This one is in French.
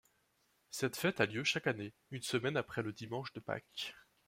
Cette fête a lieu chaque année, une semaine après le dimanche de Pâques.